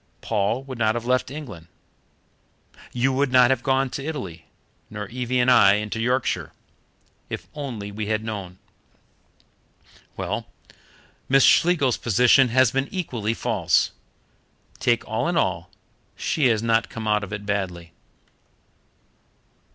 Paul would not have left England, you would not have gone to Italy, nor Evie and I into Yorkshire, if only we had known. Well, Miss Schlegel's position has been equally false. Take all in all, she has not come out of it badly."